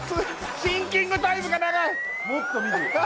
シンキングタイムが長いもっと見る汚ねえ